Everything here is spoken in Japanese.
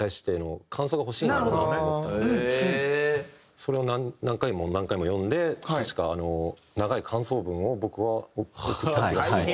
それを何回も何回も読んで確か長い感想文を僕は送った気がします。